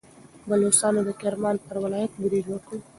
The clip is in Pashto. بلوڅانو د کرمان پر ولایت برید وکړ.